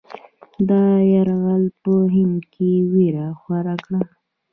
دا یرغل په هند کې وېره خوره کړه.